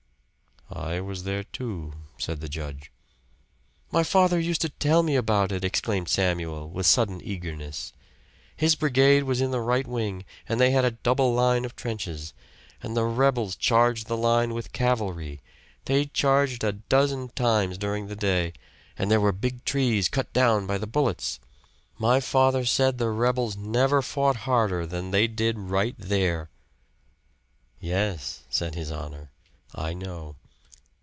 "I was there, too," said the judge. "My father used to tell me about it," exclaimed Samuel with sudden eagerness. "His brigade was in the right wing and they had a double line of trenches. And the rebels charged the line with cavalry. They charged a dozen times during the day, and there were big trees cut down by the bullets. My father said the rebels never fought harder than they did right there." "Yes," said his honor, "I know.